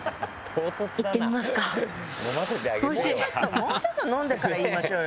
もうちょっと飲んでから言いましょうよ。